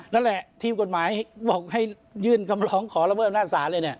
นั่นแหละทีมกฎหมายบอกให้ยื่นคำร้องขอระเมิดอำนาจศาลเลยเนี่ย